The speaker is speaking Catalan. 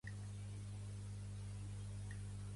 El territori estava a l'origen majoritàriament cobert de boscs.